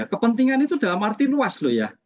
kepentingan itu dalam arti luas loh ya